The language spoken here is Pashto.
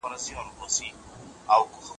¬ له ژرندي زه راځم، د مزد حال ئې ته لرې.